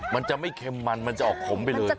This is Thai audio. มันจะไม่เค็มมันมันจะออกขมไปเลย